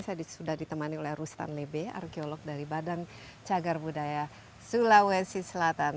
saya sudah ditemani oleh rustan lebe arkeolog dari badan cagar budaya sulawesi selatan